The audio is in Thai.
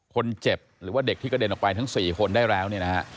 คนเจ็บหรือว่าเด็กที่กระเด็นออกไปทั้ง๔คนได้แล้วเนี่ยนะฮะ